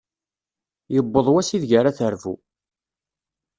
Yewweḍ wass ideg ara terbu.